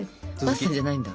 パスタじゃないんだ？